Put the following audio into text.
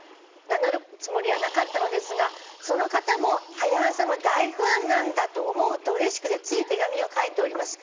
名乗るつもりはなかったのですがその方も『はや朝』の大ファンなんだと思うとうれしくてつい手紙を書いております」